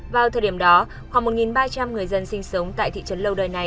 vào thời điểm đó khoảng một ba trăm linh người dân sinh sống tại thị trấn lâu đời này